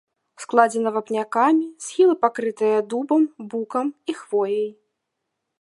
Складзена вапнякамі, схілы пакрытыя дубам, букам і хвояй.